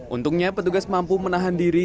untungnya petugas mampu menahan diri